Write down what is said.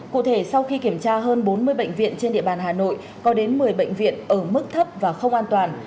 cụ thể sau khi kiểm tra hơn bốn mươi bệnh viện trên địa bàn hà nội có đến một mươi bệnh viện ở mức thấp và không an toàn